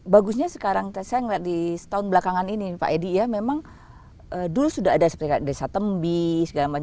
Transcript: bagusnya sekarang saya melihat di setahun belakangan ini pak edi ya memang dulu sudah ada seperti desa tembi segala macam